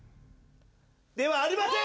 ではありません。